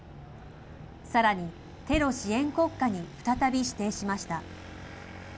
さらに、テロ支援国家に再び指定しました。